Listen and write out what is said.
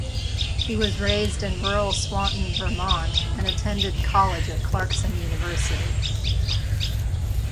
He was raised in rural Swanton, Vermont, and attended college at Clarkson University.